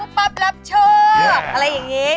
เออวุปับรับชอบอะไรอย่างนี้